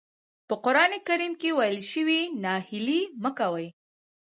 په قرآن کريم کې ويل شوي ناهيلي مه کوئ.